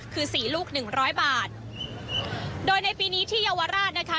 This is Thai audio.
คือสี่ลูกหนึ่งร้อยบาทโดยในปีนี้ที่เยาวราชนะคะ